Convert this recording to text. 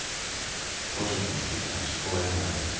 盗聴器も付けてないし護衛もまいてきた。